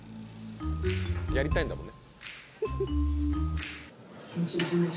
やりたいんだもんね。